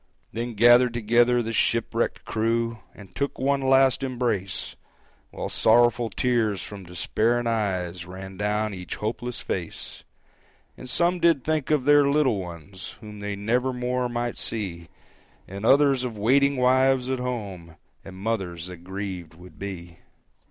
Then gathered together the shipwrecked crew And took one last embrace, While sorrowful tears from despairing eyes Ran down each hopeless face; And some did think of their little ones Whom they never more might see, And others of waiting wives at home, And mothers that grieved would be.